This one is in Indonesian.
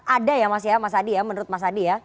ada ya mas ya mas adi ya menurut mas adi ya